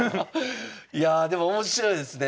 いやあでも面白いですね。